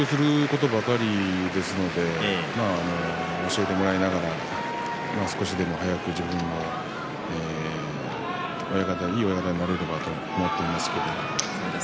勉強することばかりですので教えてもらいながら少しでも早くいい親方になれるようにと思っていますけど。